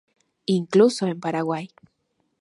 Incluso en Paraguay.